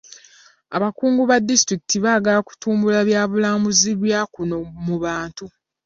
Abakungu ba disitulikiti baagala kutumbula obulambuzi bwa kuno mu bantu.